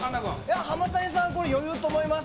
浜谷さん、これ、余裕と思います。